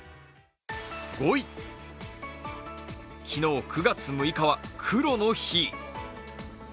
５位、昨日、９月６日は黒の日。